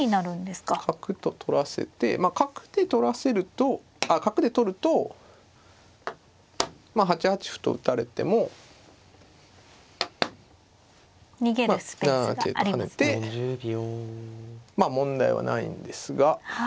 角と取らせてまあ角で取らせるとあ角で取ると８八歩と打たれてもまあ７七桂と跳ねてまあ問題はないんですが。